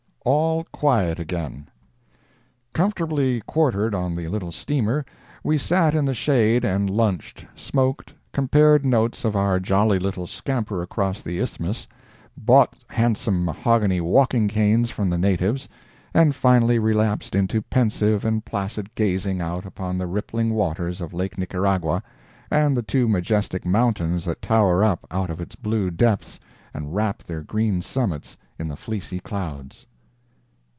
ALL QUIET AGAIN Comfortably quartered on the little steamer, we sat in the shade and lunched, smoked, compared notes of our jolly little scamper across the Isthmus, bought handsome mahogany walking canes from the natives, and finally relapsed into pensive and placid gazing out upon the rippling waters of Lake Nicaragua and the two majestic mountains that tower up out of its blue depths and wrap their green summits in the fleecy clouds.